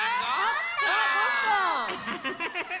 ウフフフフ！